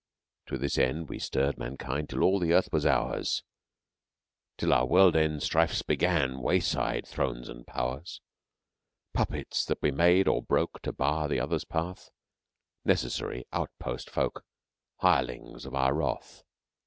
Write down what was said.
To this end we stirred mankind till all earth was ours, Till our world end strifes began wayside thrones and powers, Puppets that we made or broke to bar the other's path Necessary, outpost folk, hirelings of our wrath.